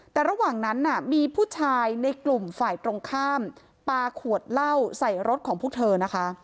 แต่ระหว่างนั้นมีผู้ชายในกลุ่มฝ่ายตรงข้ามปลาขวดเหล้าใส่รถของพวกเธอนะคะ